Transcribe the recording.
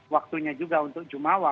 waktunya juga untuk jumawa